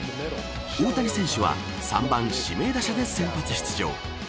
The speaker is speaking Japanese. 大谷選手は３番指名打者で先発出場。